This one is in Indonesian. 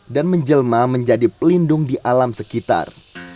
dan menjelma menjadi pelindung di alam sekitar